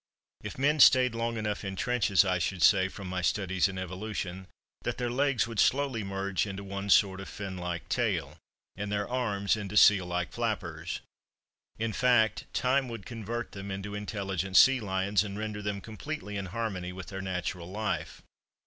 If men stayed long enough in trenches, I should say, from my studies in evolution, that their legs would slowly merge into one sort of fin like tail, and their arms into seal like flappers. In fact, time would convert them into intelligent sea lions, and render them completely in harmony with their natural life.